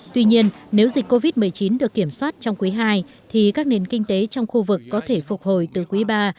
tuy nhiên nếu dịch covid một mươi chín được kiểm soát trong quý ii thì các nền kinh tế trong khu vực có thể phục hồi từ quý iii